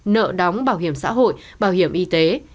nợ đóng bảo hiểm xã hội bảo hiểm y tế